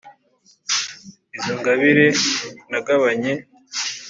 Izo ngabire nagabanye?